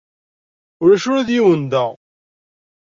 Ulac ula d yiwen da.